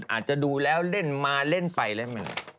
อาจจะดูแล้วเล่นมาเล่นไปเล่นมา